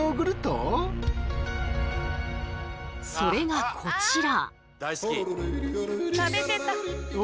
それがこちら。